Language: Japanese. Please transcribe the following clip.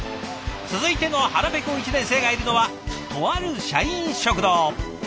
続いての腹ぺこ１年生がいるのはとある社員食堂。